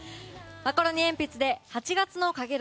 マカロニえんぴつで「八月の陽炎」。